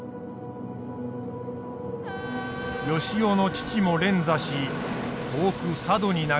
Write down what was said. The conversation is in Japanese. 善男の父も連座し遠く佐渡に流されている。